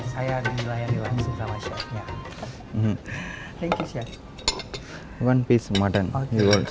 saya di wilayah di ruang sini sama chef nya